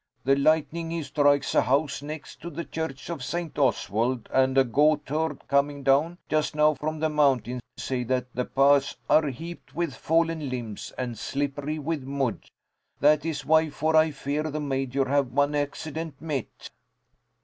The lightning he strike a house next to the church of St. Oswald, and a goatherd coming down just now from the mountain say that the paths are heaped with fallen limbs, and slippery with mud. That is why for I fear the Major have one accident met."